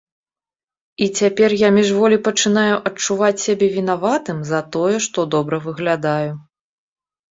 І цяпер я міжволі пачынаю адчуваць сябе вінаватым за тое, што добра выглядаю.